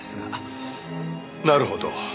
なるほど。